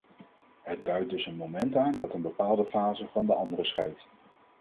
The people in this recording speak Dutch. Het duidt dus een moment aan dat een bepaalde fase van de andere scheidt.